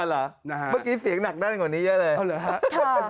อ๋อเหรอเมื่อกี้เสียงหนักด้านกว่านี้เยอะเลยครับโอ้เหรอครับค่ะ